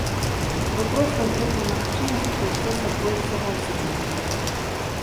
Выпрошваць гэтую магчымасць прыйшлося больш за гадзіну.